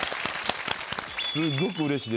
すっごく嬉しい。